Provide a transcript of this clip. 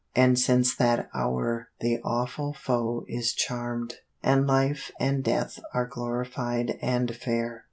And since that hour the awful foe is charmed, And life and death are glorified and fair.